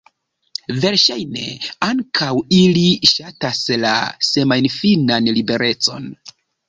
Verŝajne, ankaŭ ili ŝatas la semajnfinan liberecon.